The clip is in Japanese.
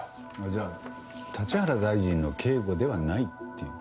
じゃあ立原大臣の警護ではないっていう。